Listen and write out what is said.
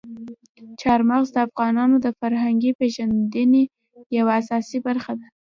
چار مغز د افغانانو د فرهنګي پیژندنې یوه اساسي برخه ده.